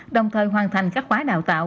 đồng thời hoàn thành các khóa đào tạo